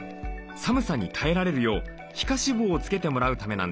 寒さに耐えられるよう皮下脂肪をつけてもらうためなんです。